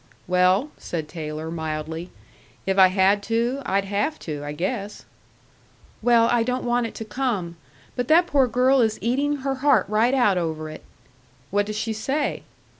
"Well," said Taylor, mildly, "if I had to, I'd have to, I guess." "Well, I don't want it to come. But that poor girl is eating her heart right out over it." "What does she say?"